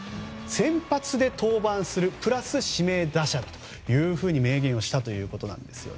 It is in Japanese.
先発で登板するプラス指名打者というふうに明言をしたということです。